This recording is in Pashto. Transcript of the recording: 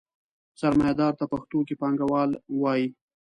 سرمایهداري ته پښتو کې پانګواله وایي.